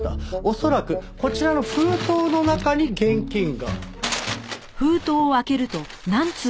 恐らくこちらの封筒の中に現金が。